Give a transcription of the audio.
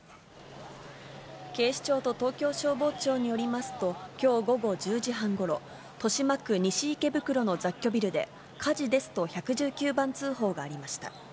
警視庁と東京消防庁によりますと、きょう午後１０時半ごろ、豊島区西池袋の雑居ビルで、火事ですと１１９番通報がありました。